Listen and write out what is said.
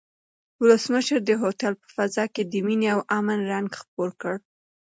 ولسمشر د هوټل په فضا کې د مینې او امن رنګ خپور کړ.